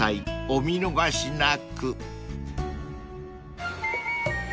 お見逃しなく］